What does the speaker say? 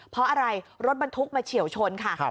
เพราะอะไรรถบรรทุกมาเฉียวชนค่ะ